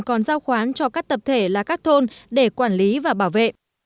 còn giao khoán cho các tập thể là các thôn để quản lý và bảo vệ